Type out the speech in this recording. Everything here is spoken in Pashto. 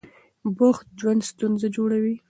بوخت ژوند ستونزه جوړوي.